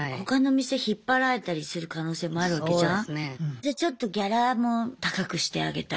じゃあちょっとギャラも高くしてあげたり。